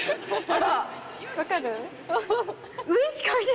分かる？